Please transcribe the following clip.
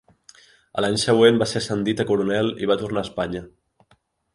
A l'any següent va ser ascendit a coronel i va tornar a Espanya.